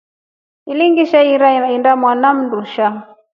Ngiishi ira mwana mta undushaa.